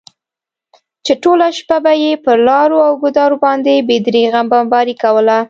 چې ټوله شپه به یې پر لارو او ګودرو باندې بې درېغه بمباري کوله.